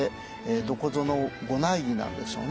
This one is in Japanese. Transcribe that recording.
どこぞの御内儀なんでしょうね。